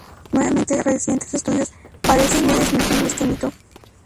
Nuevamente, recientes estudios parecen ir desmintiendo este mito.